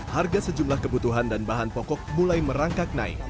harga sejumlah kebutuhan dan bahan pokok mulai merangkak naik